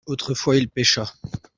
autrefois il pêcha.